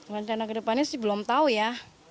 rencana ke depannya sih belum tahu ya